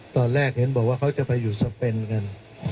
ตอนแรกเห็นบอกว่าเขาจะไปอยู่สเปนกัน